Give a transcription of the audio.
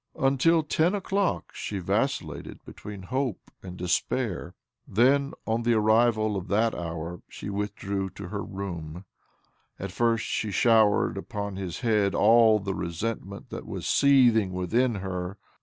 Until ten o'clock she vacil lated between hope and despair. Then, on the arrival of that hour, she withdrew to her OBLOMOV 219 room. At first she showered upon his head all the resentment that was seething within her.